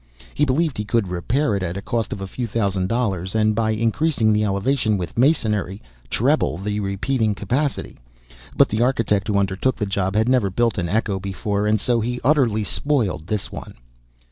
He believed he could repair it at a cost of a few thousand dollars, and, by increasing the elevation with masonry, treble the repeating capacity; but the architect who undertook the job had never built an echo before, and so he utterly spoiled this one.